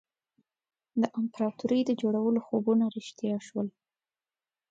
د امپراطوري د جوړولو خوبونه رښتیا شول.